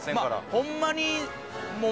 ホンマにもう。